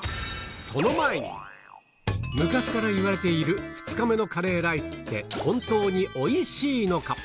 その前に、昔からいわれている２日目のカレーライスって、本当においしいのか。